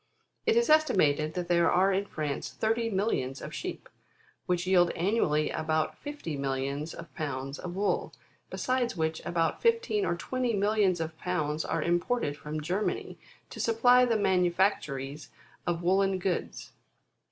7. It is estimated that there are in France thirty millions of sheep, which yield annually about fifty millions of pounds of wocl, besides which about fifteen or twenty millions of pounds are imported from Germany, to supply the manufactories of woollen goods.